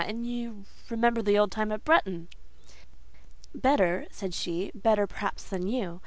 and you remember the old time at Bretton?" "Better," said she, "better, perhaps, than you.